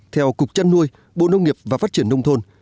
theo cục trăn nuôi bộ nông nghiệp và phát triển nông thôn